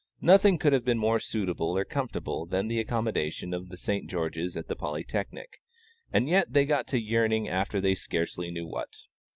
Nothing could have been more suitable or comfortable than the accommodations of the St. George's at the Polytechnic, and yet they got to yearning after they scarcely knew what.